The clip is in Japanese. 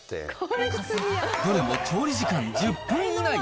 どれも調理時間１０分以内。